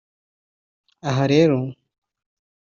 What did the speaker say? Aha rero